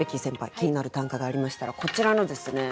気になる短歌がありましたらこちらのですね